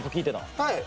はい。